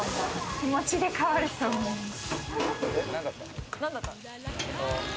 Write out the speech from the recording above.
気持ちで変わると思います。